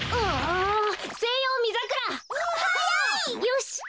よし！